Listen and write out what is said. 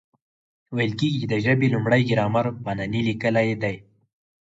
ویل کېږي، چي د ژبي لومړی ګرامر پانني لیکلی دئ.